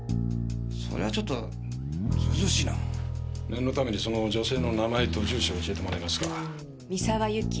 ⁉それはちょっとずうずうしいな念のためにその女性の名前と住所を教えてもらえますか三沢友紀